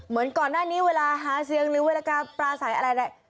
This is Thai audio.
เหมือนก่อนหน้านี้เวลาหาเสียงหรือเวลาการปลาใสอะไร